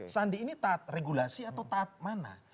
sandi ini tahap regulasi atau tahap mana